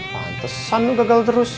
pantesan lo gagal terus